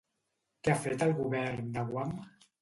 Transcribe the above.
Què ha fet el govern de Guam?